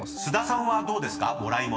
［菅田さんはどうですか？］